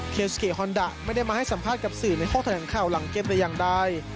สเกฮอนดะไม่ได้มาให้สัมภาษณ์กับสื่อในห้องแถลงข่าวหลังเกมแต่อย่างใด